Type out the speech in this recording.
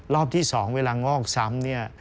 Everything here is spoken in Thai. รอบที่๒เวลางอกซ้ำ